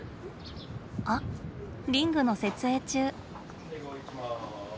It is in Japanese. あっリングの設営中。